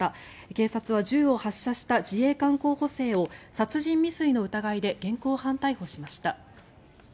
警察は銃を発射した自衛官候補生を殺人未遂の疑いで現行犯逮捕しました。